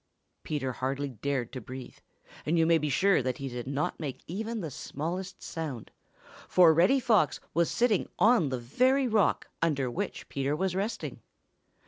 Peter hardly dared to breathe, and you may be sure that he did not make even the smallest sound, for Reddy Fox was sitting on the very rock under which Peter was resting.